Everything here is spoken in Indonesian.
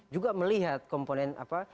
juga melihat komponen apa